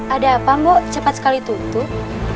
ada apa mbok cepat sekali tutup